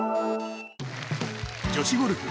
女子ゴルフ。